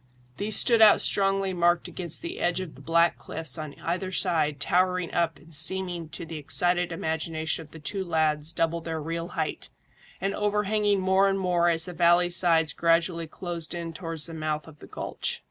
These stood out strongly marked against the edge of the black cliffs on either side towering up and seeming to the excited imagination of the two lads double their real height, and overhanging more and more as the valley sides gradually closed in towards the mouth of the gulch.